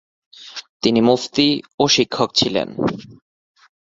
তিনি মুফতি ও শিক্ষক ছিলেন।